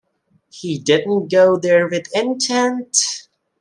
He didn't go there with intent.